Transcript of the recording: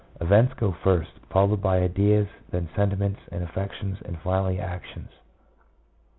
Events go first, followed by ideas, then sentiments and affections, and finally actions.